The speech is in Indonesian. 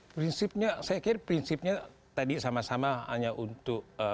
prinsipnya saya kira prinsipnya tadi sama sama hanya untuk